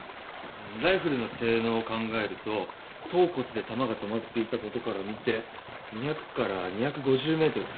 ライフルの性能を考えると頭骨で弾が止まっていたことから見て２００から２５０メートル先。